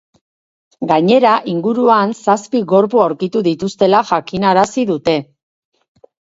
Gainera, inguruan zazpi gorpu aurkitu dituztela jakinarazi dute.